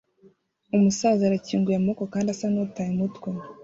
Umusaza arakinguye amaboko kandi asa n'utaye umutwe